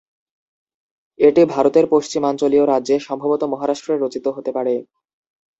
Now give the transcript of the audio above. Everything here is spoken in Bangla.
এটি ভারতের পশ্চিমাঞ্চলীয় রাজ্যে, সম্ভবত মহারাষ্ট্রে রচিত হতে পারে।